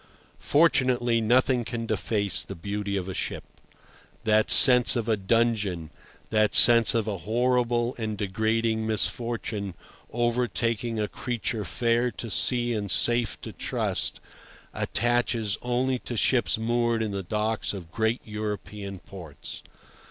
Fortunately, nothing can deface the beauty of a ship. That sense of a dungeon, that sense of a horrible and degrading misfortune overtaking a creature fair to see and safe to trust, attaches only to ships moored in the docks of great European ports.